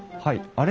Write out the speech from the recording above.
あれ？